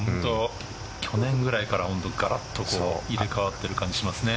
去年ぐらいからガラッと入れ替わっている感じしますね。